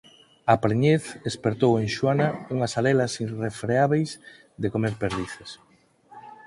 A preñez espertou en Xoana unhas arelas irrefreábeis de comer perdices.